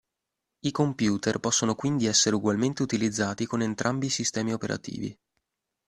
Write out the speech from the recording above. I computer possono quindi essere ugualmente utilizzati con entrambi i sistemi operativi.